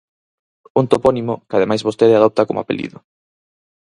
Un topónimo que ademais vostede adopta como apelido.